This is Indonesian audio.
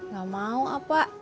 gak mau apa